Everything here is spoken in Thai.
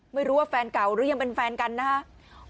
ไม่รู้ว่าแฟนเก่าหรือยังเป็นแฟนกันนะครับ